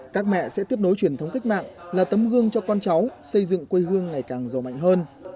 các mẹ sẽ tiếp nối truyền thống cách mạng là tấm gương cho con cháu xây dựng quê hương ngày càng giàu mạnh hơn